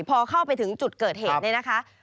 พอเข้าไปถึงจุดเกิดเหตุ